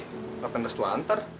bapak kena setua antar